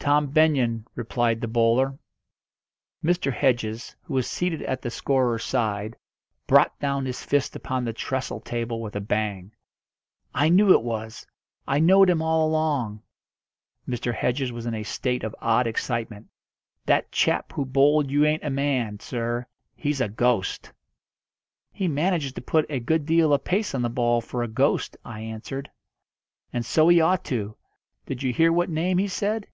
"Tom Benyon," replied the bowler. Mr. Hedges, who was seated at the scorer's side, brought down his fist upon the trestle table with a bang. "I knew it was! I knowed him all along!" Mr. Hedges was in a state of odd excitement. "That chap who bowled you ain't a man, sir he's a ghost." "He manages to put a good deal of pace on the ball for a ghost," I answered. "And so he ought to. Did you hear what name he said?